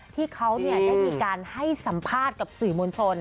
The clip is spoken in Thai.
ที่เขาได้มีการให้สัมภาษณ์กับสื่อมวลชน